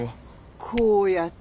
こうやって。